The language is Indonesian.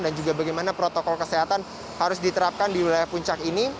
dan juga bagaimana protokol kesehatan harus diterapkan di wilayah puncak ini